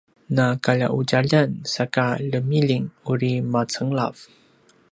nu kalja’udjaljan saka lemiljing uri macenglav